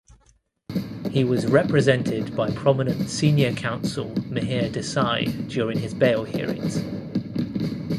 He was represented by prominent senior counsel Mihir Desai during his bail hearings.